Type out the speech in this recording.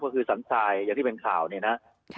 ก็คือสันทรายอย่างที่เป็นข่าวเนี่ยนะ